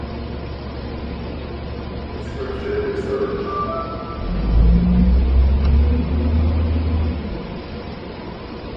Study of scripture is urged.